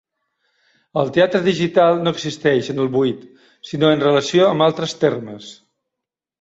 El teatre digital no existeix en el buit sinó en relació amb altres termes.